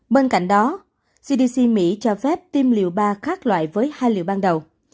bên cạnh đó cdc mỹ cho phép tiêm liều ba khác loại với hai liệu ban đầu